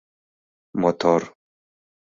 «Мотор.